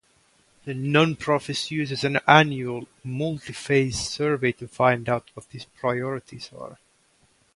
The nonprofit uses an annual, multi-phase survey to find out what these priorities are.